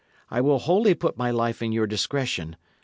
I will wholly put my life in your discretion.